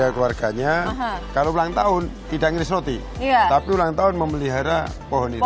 keluarganya kalau ulang tahun tidak ngeris roti tapi ulang tahun memelihara pohon itu